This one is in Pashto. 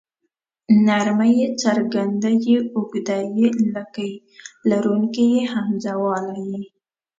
نرمه ی څرګنده ي اوږده ې لکۍ لرونکې ۍ همزه واله ئ